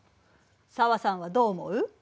紗和さんはどう思う？